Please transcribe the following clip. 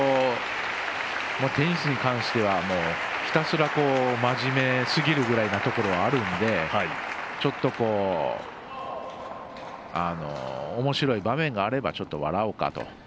テニスに関してはひたすら、真面目すぎることがあるのでちょっとおもしろい場面があれば笑おうかと。